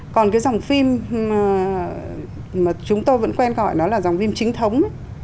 còn cái dòng phim mà chúng tôi vẫn quen gọi nó là dòng phim chính thống